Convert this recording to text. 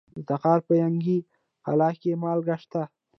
د تخار په ینګي قلعه کې مالګه شته.